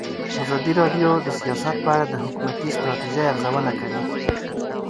ازادي راډیو د سیاست په اړه د حکومتي ستراتیژۍ ارزونه کړې.